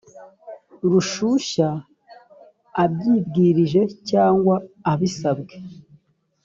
rushushya abyibwirije cyangwa abisabwe